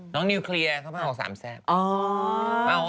น้องนิวเคลียน์เขามาเอา๓แซ่บ